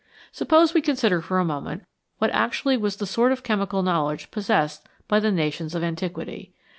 Suppose we consider for a moment what actually was the sort of chemical knowledge possessed by the nations of antiquity.